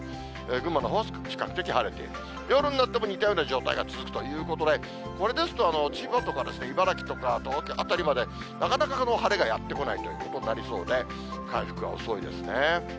群馬のほうは比較的晴れている、夜になっても似たような状態が続くということで、これですと、千葉とか、茨城とか、東北の辺りまで、なかなか晴れがやって来ないということになりそうで、回復は遅いですね。